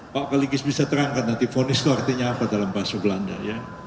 pak kaligis bisa terangkan nanti fonis itu artinya apa dalam bahasa belanda ya